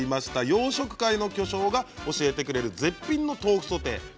洋食界の巨匠が教えてくれる絶品の豆腐ソテーです。